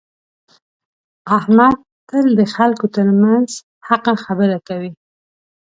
احمد تل د خلکو ترمنځ حقه خبره کوي.